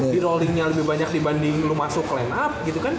di rollingnya lebih banyak dibanding lu masuk line up gitu kan